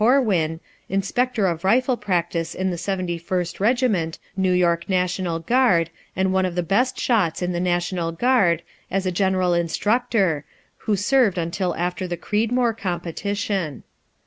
Corwin, inspector of rifle practice in the Seventy first Regiment, New York National Guard, and one of the best shots in the National Guard, as a general instructor, who served until after the Creedmoor competition.